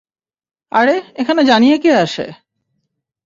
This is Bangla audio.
আরে এখানে জানিয়ে কে আসে?